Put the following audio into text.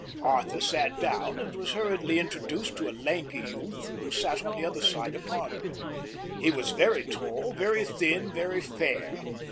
Arthur sat down, and was hurriedly introduced to a lanky youth, who sat on the other side of Margaret. He was very tall, very thin, very fair.